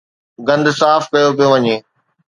گند صاف ڪيو پيو وڃي.